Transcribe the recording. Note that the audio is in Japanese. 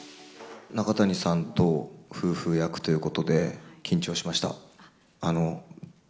中谷さんと夫婦役ということで、緊張しました。